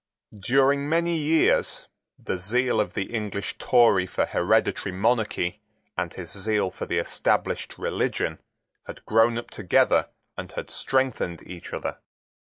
During many years the zeal of the English Tory for hereditary monarchy and his zeal for the established religion had grown up together and had strengthened each other.